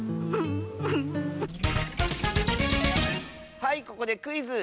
はいここでクイズ！